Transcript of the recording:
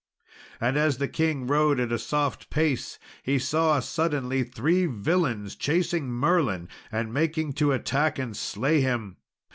And as the king rode at a soft pace he saw suddenly three villains chasing Merlin and making to attack and slay him.